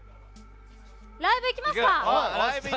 ライブいきますか。